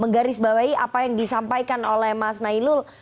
menggarisbawahi apa yang disampaikan oleh mas nailul